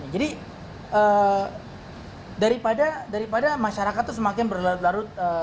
jadi daripada masyarakat itu semakin berlarut larut